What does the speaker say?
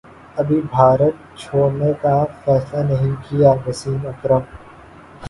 ابھی بھارت چھوڑنے کافیصلہ نہیں کیا وسیم اکرم